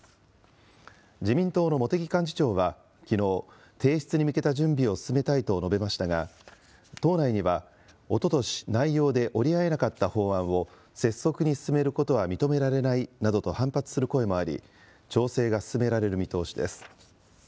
自民党の茂木幹事長はきのう、提出に向けた準備を進めたいと述べましたが、党内には、おととし、内容で折り合えなかった法案を拙速に進めることは認められないなどと反発する声もあり、調整が進められる見通しです。